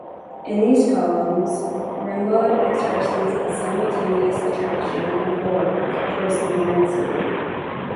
In these poems, Rimbaud expresses a simultaneous attraction and horror towards the modern city.